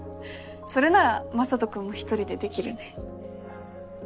それなら雅人君も１人でできるね。